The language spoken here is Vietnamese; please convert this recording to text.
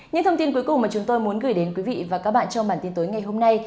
những thông tin cuối cùng mà chúng tôi muốn gửi đến quý vị và các bạn trong bản tin tối ngày hôm nay